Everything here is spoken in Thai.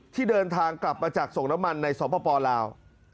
ที่เดินทางกลับมาจากส่งน้ำมันในสปลาว